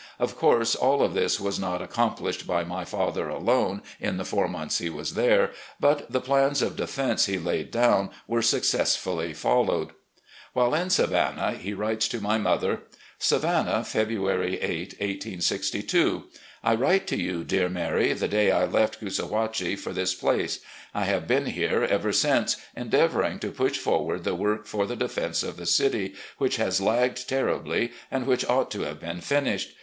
Of course all of this was not accomplished by my father alone in the four months he was there; but the plans of defense he laid down were successfully followed. While in Savannah, he writes to my mother: "Savannah, February 8, 1862. "I wrote to you, dear Mary, the day I left Coosa whatchie for this place. I have been here ever since, endeavouring to push forward the work for the defense of the city, which has lagged terribly and which ot>ght to have been finished.